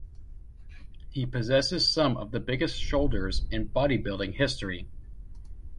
He possesses some of the biggest shoulders in bodybuilding history.